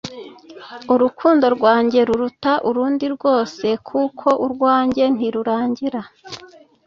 Urukundo rwanjye ruruta urundi rwose kuko urwanjye ntirurangira